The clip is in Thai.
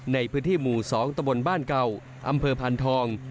ในพื้นที่หมู่๒ตะบนบ้านเก่าอำเภอพานทอง